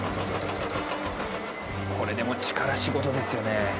これでも力仕事ですよね。